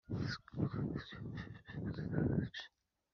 Ntamunu numwe utegeka umwami